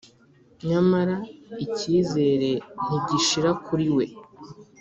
Nyamara ikizere ntigishira kuri we